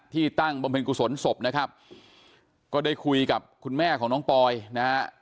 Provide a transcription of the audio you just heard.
ตั้งบำเพ็ญกุศลศพนะครับก็ได้คุยกับคุณแม่ของน้องปอยนะฮะ